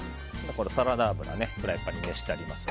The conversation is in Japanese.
サラダ油をフライパンに熱してあります。